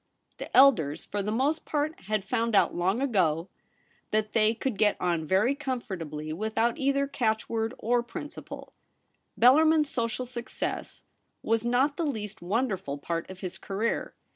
The elders, for the most part, had found out long ago ROLFE BELLARMIN. 203 that they could get on very comfortably with out either catch word or principle. Bellarmin's social success was not the least wonderful part of his career.